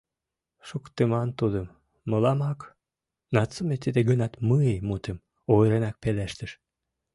Шуктыман тудым... мыламак, — Нацуме тиде ганат «мый» мутым ойыренак пелештыш.